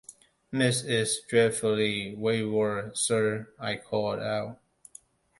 ‘Miss is dreadfully wayward, sir,’ I called out.